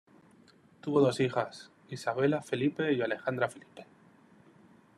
Tuvo dos hijas; Isabela Felipe y Alejandra Felipe.